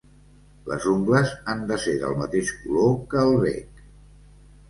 Les ungles han de ser del mateix color que el bec.